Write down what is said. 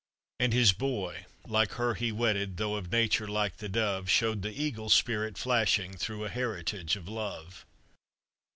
And his boy, like her he wedded, Though of nature like the dove, Showed the eagle spirit flashing Through a heritage of love.